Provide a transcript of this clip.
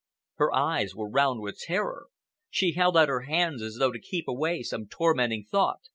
Her eyes were round with terror. She held out her hands as though to keep away some tormenting thought.